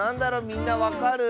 みんなわかる？